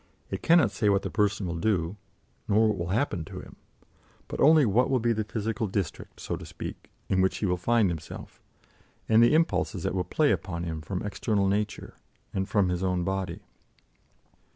It cannot say what the person will do, nor what will happen to him, but only what will be the physical district, so to speak, in which he will find himself, and the impulses that will play upon him from external nature and from his own body.